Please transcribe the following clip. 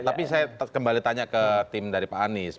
tapi saya kembali tanya ke tim dari pak anies